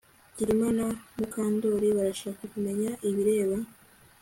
Kirima na Mukandoli barashaka kumenya ibibera